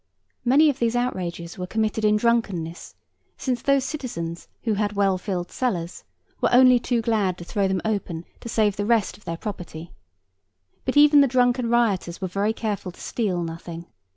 Many of these outrages were committed in drunkenness; since those citizens, who had well filled cellars, were only too glad to throw them open to save the rest of their property; but even the drunken rioters were very careful to steal nothing.